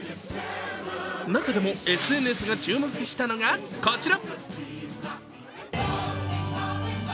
中でもＳＮＳが注目したのがこちら。